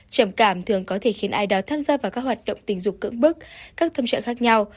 trầm cảm thường có thể khiến ai đó tham gia vào các hoạt động tình dục cưỡng bức các thâm trạng khác nhau